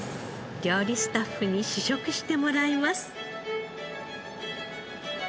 料理スタッフに試食してもらいます。